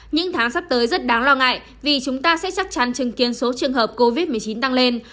những tháng sắp tới rất đáng lo ngại vì chúng ta sẽ chắc chắn chứng kiến số trường hợp covid một mươi chín tăng lên